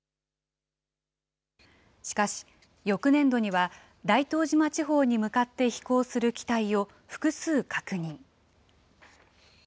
しかし、翌年度には、大東島地方に向かって飛行する機体を複数確認。